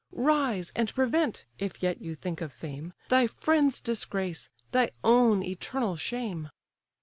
Rise, and prevent (if yet you think of fame) Thy friend's disgrace, thy own eternal shame!"